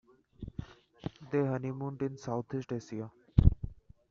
They honeymooned in South-East Asia.